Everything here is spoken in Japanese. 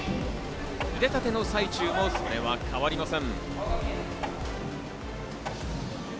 腕立ての最中もそれは変わりません。